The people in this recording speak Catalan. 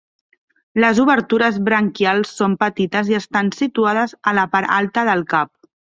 Les obertures branquials són petites i estan situades a la part alta del cap.